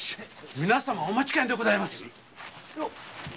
皆様お待ちかねでございます。